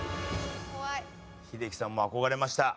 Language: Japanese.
英樹さんも憧れました。